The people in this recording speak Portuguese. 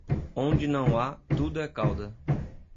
Onde não há, tudo é cauda.